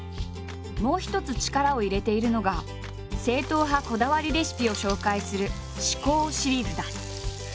もう一つ力を入れているのが正統派こだわりレシピを紹介する「至高シリーズ」だ。